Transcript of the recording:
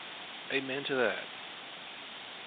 Amen to that.